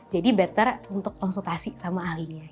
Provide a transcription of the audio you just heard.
jadi better untuk konsultasi sama ahli